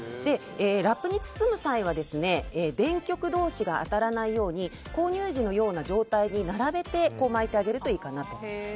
ラップに包む際は電極同士が当たらないように購入時のような状態に並べて巻いてあげるといいかなと。